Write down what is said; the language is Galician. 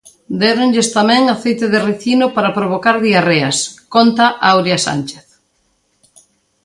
Déronlles tamén aceite de rícino para provocar diarreas, conta Áurea Sánchez.